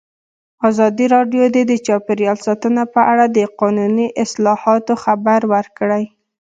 ازادي راډیو د چاپیریال ساتنه په اړه د قانوني اصلاحاتو خبر ورکړی.